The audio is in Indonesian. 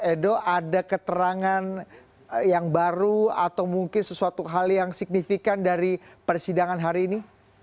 edo ada keterangan yang baru atau mungkin sesuatu hal yang signifikan dari persidangan hari ini